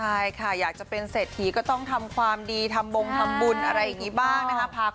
ใช่ค่ะอยากจะเป็นเศรษฐีก็ต้องทำความดีทำบงทำบุญอะไรอย่างนี้บ้างนะคะ